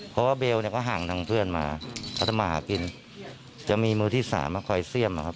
เพราะว่าเบลเนี่ยก็ห่างทางเพื่อนมาเขาทำมาหากินจะมีมือที่สามมาคอยเสี่ยมอะครับ